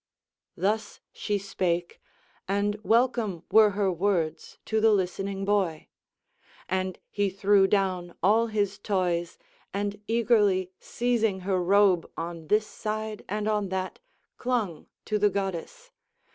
Thus she spake, and welcome were her words to the listening boy. And he threw down all his toys, and eagerly seizing her robe on this side and on that, clung to the goddess.